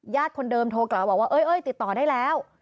คนเดิมโทรกลับมาบอกว่าเอ้ยติดต่อได้แล้ว